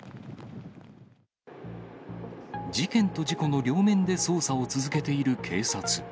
事件と事故の両面で捜査を続けている警察。